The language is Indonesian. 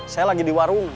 saya lagi di warung